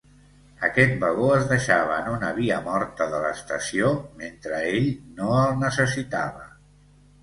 Aquest vagó es deixava en una via morta de l'Estació mentre ell no el necessitava.